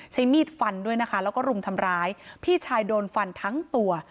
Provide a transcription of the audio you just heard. มีดฟันด้วยนะคะแล้วก็รุมทำร้ายพี่ชายโดนฟันทั้งตัว